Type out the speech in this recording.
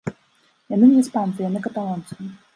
Яны не іспанцы, яны каталонцы.